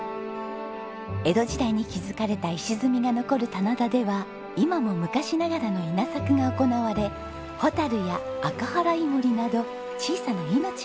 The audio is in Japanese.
江戸時代に築かれた石積みが残る棚田では今も昔ながらの稲作が行われホタルやアカハライモリなど小さな命が育まれています。